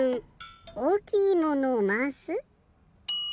おおきいものをまわす？